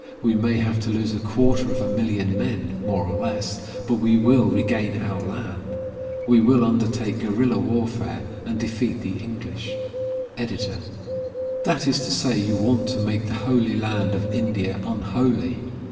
We may have to lose a quarter of a million men, more or less, but we will regain our land. We will undertake guerilla warfare, and defeat the English. EDITOR: That is to say, you want to make the holy land of India unholy.